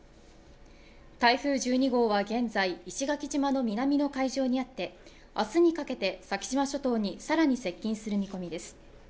台風１２号は現在、石垣島の南の海上にあって明日にかけて先島諸島に更に接近する見込みです。